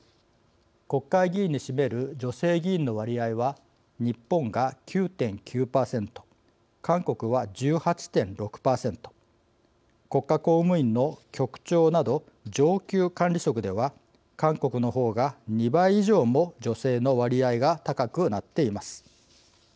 国会議員に占める女性議員の割合は日本が９．９％韓国は１８．６％国家公務員の局長など上級管理職では韓国の方が２倍以上も女性の割合が高くなっています。